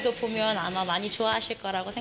ทุกคนคิดว่าเพลงจะสนุกได้ไหม